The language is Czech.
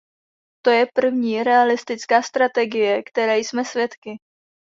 To je první realistická strategie, které jsme svědky.